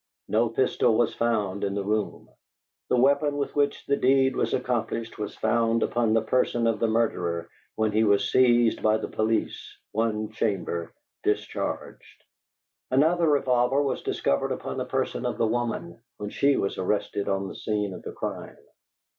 No pistol was found in the room. The weapon with which the deed was accomplished was found upon the person of the murderer when he was seized by the police, one chamber discharged. Another revolver was discovered upon the person of the woman, when she was arrested on the scene of the crime.